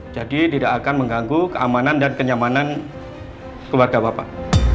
jadi tidak akan mengganggu keamanan dan kenyamanan keluarga bapak